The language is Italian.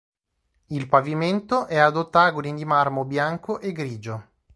Il pavimento è ad ottagoni di marmo bianco e grigio.